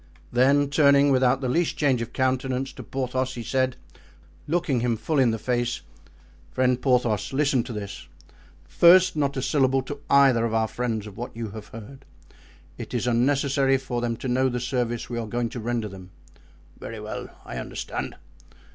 Then turning, without the least change of countenance, to Porthos, he said, looking him full in the face: "Friend Porthos, listen to this; first, not a syllable to either of our friends of what you have heard; it is unnecessary for them to know the service we are going to render them." "Very well; I understand."